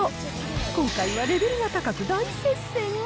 今回はレベルが高く、大接戦？